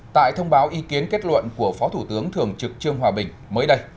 tại thông báo ý kiến kết luận của phó thủ tướng thường trực trương hòa bình mới đây